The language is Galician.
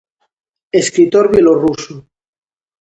Escritor bielorruso.